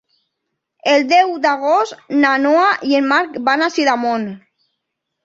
El deu d'agost na Noa i en Marc van a Sidamon.